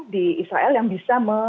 di israel yang bisa